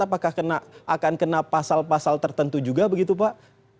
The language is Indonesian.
apakah akan kena pasal pasal tertentu juga begitu pak